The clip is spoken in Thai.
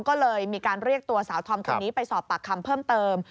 ก็เลยมีการเรียกตัวสาวธอมคนนี้ไปสอบปากคำเพิ่มเติม